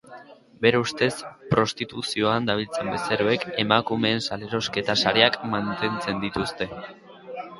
Bere ustez prostituzioan dabiltzan bezeroek emakumeen salerosketa sareak mantentzen dituzte.